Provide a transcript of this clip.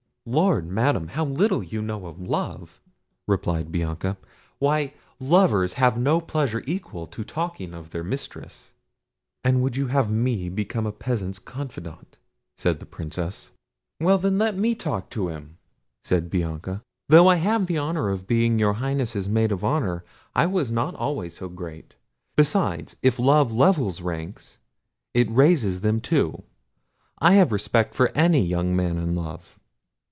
"Lord, Madam! how little you know of love!" replied Bianca; "why, lovers have no pleasure equal to talking of their mistress." "And would you have me become a peasant's confidante?" said the Princess. "Well, then, let me talk to him," said Bianca; "though I have the honour of being your Highness's maid of honour, I was not always so great. Besides, if love levels ranks, it raises them too; I have a respect for any young man in love."